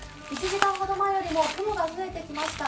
１時間ほど前よりも雲が増えてきました。